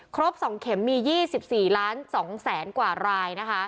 ครบ๒เข็มมี๒๔ล้าน๒๐๐๐๐๐กว่าราย